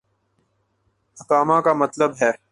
اقامہ کا مطلب ہے۔